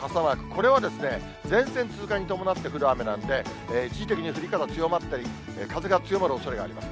これは前線通過に伴って降る雨なんで、一時的に降り方、強まったり、風が強まるおそれがあります。